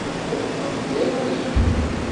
Tuɣeḍ-tent di rray-ik.